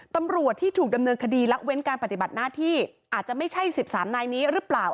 ตำรวจที่ถูกดำเนินคดีละเว้นการปฏิบัติหน้าที่อาจจะไม่ใช่๑๓นายนี้หรือเปล่า